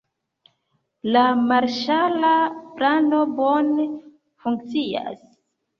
La marŝala plano bone funkcias.